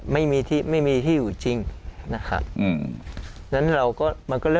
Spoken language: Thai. ไม่มีที่อยู่จริงนะคะ